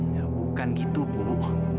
ya bukan gitu bu